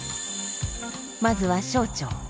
まずは小腸。